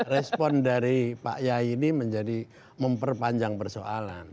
respon dari pak yai ini menjadi memperpanjang persoalan